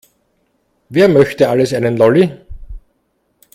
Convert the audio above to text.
Wer möchte alles einen Lolli?